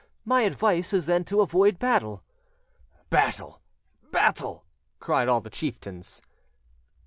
My advice is then to avoid battle." "Battle! battle!" cried all the chieftains.